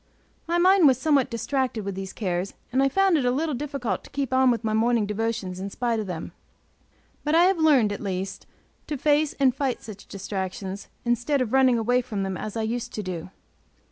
My mind was somewhat distracted with these cares, and I found it a little difficult to keep on with my morning devotions in spite of them. But I have learned, at least, to face and fight such distractions, instead of running away from them as I used to do.